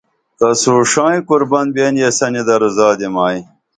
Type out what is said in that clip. تسو ݜائیں قربن بئین یسنی درو زادی مائی